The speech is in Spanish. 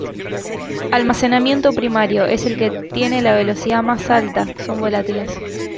Almacenamiento primario: Es el que tiene la velocidad más alta, son volátiles.